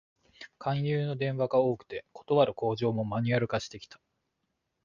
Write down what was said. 勧誘の電話が多くて、断る口上もマニュアル化してきた